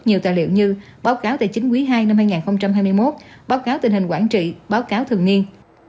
nhiều tài liệu như báo cáo tài chính quý ii năm hai nghìn hai mươi một báo cáo tình hình quản trị báo cáo thường niên